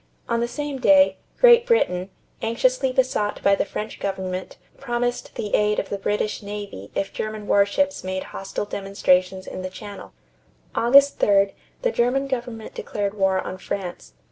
On the same day, Great Britain, anxiously besought by the French government, promised the aid of the British navy if German warships made hostile demonstrations in the Channel. August 3d, the German government declared war on France.